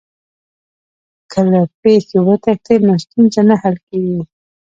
که له پېښي وتښتې نو ستونزه نه حل کېږي.